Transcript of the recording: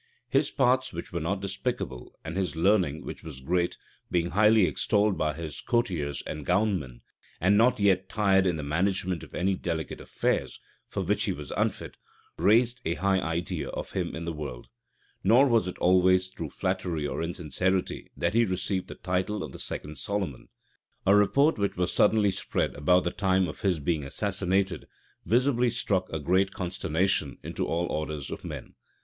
His parts, which were not despicable, and his learning, which was great, being highly extolled by his courtiers and gownmen, and not yet tried in the management of any delicate affairs, for which he was unfit, raised a high idea of him in the world; nor was it always through flattery or insincerity that he received the title of the second Solomon. A report, which was suddenly spread about this time of his being assassinated, visibly struck a great consternation into all orders of men.